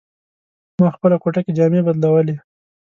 ما خپله کوټه کې جامې بدلولې.